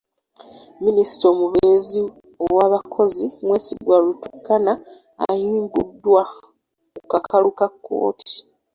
Minisita omubeezi ow'abakozi Mwesigwa Rukutana ayimbuddwa ku kakalu ka kkooti.